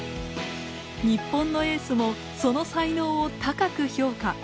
日本のエースもその才能を高く評価。